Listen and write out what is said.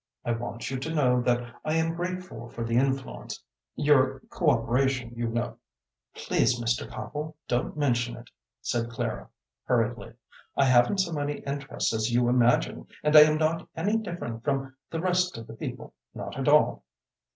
I want you to know that I am grateful for the influence your cooperation, you know " "Please, Mr. Copple, don't mention it," said Clara, hurriedly. "I haven't so many interests as you imagine, and I am not any different from the rest of the people. Not at all."